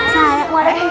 waduh ada yang kecil